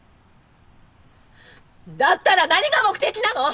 だったら何が目的なの！？